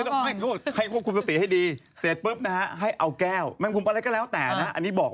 เลยถึงเส้นเองเอง